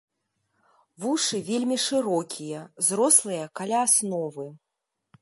Вушы вельмі шырокія, зрослыя каля асновы.